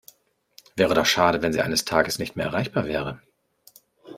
Wäre doch schade, wenn Sie eines Tages nicht mehr erreichbar wäre.